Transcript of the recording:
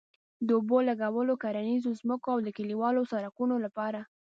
د اوبه لګولو، کرنيزو ځمکو او کلیوالو سړکونو لپاره